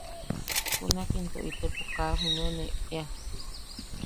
Junak into itepo kaa junuen eʼea.